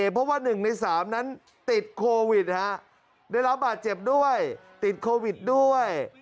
เพราะว่า๑ใน๓นั้นติดโควิดได้รับบาดเจ็บด้วยติดโควิดด้วย